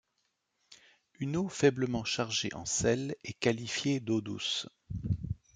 Une eau faiblement chargée en sel est qualifiée d’eau douce.